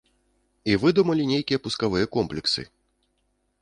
І выдумалі нейкія пускавыя комплексы!